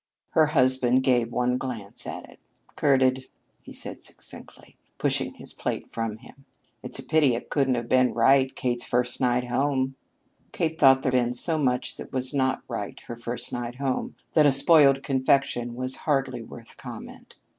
Her husband gave one glance at it. "Curdled!" he said succinctly, pushing his plate from him. "It's a pity it couldn't have been right Kate's first night home." Kate thought there had been so much that was not right her first night home, that a spoiled confection was hardly worth comment.